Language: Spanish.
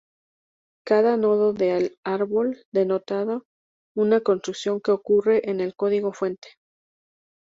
Cada nodo del árbol denota una construcción que ocurre en el código fuente.